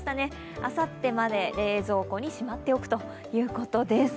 あさってまで冷蔵庫にしまっておくということです。